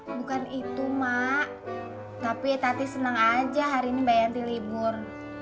bukan itu mak tapi tati seneng aja hari ini bayangin libur